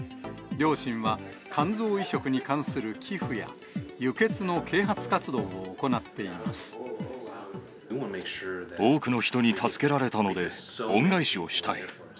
両親は、肝臓移植に関する寄付や、多くの人に助けられたので、恩返しをしたい。